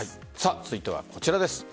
続いてはこちらです。